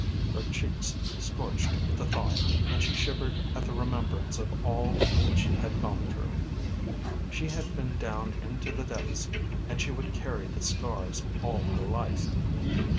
Her cheeks scorched with the thought and she shivered at the remembrance of all that she had gone through. She had been down into the depths and she would carry the scars all her life.